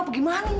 pergi mana dia